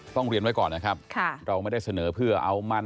เรียนไว้ก่อนนะครับเราไม่ได้เสนอเพื่อเอามั่น